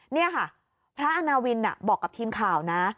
นี่ค่ะพระอาณาวินบอกกับทีมข่าวนะ